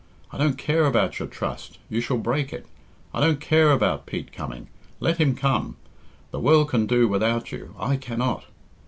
I don't care about your trust you shall break it. I don't care about Pete coming let him come. The world can do without you I cannot.